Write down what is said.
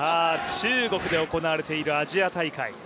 中国で行われているアジア大会。